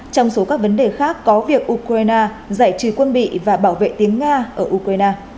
trong số các vấn đề khác có việc ukraine giải trừ quân bị và bảo vệ tiếng nga ở ukraine